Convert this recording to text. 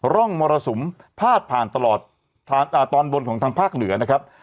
ร่องมรสุมพาดผ่านตลอดตอนบนของทางภาคเหนือนะครับ